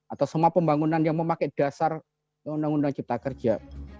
atau semua pembangunan yang memakai dasar undang undang cipta kerja